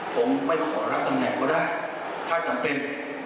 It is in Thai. ผมไม่ขอรับตำแหน่งก็ได้ถ้าจำเป็น